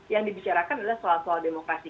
yang dibicarakan adalah soal soal demokrasi